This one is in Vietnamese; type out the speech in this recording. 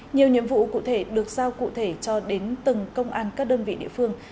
nhiều nhiệm vụ cụ thể được giao cụ thể cho đến từng công an các đơn vị địa phương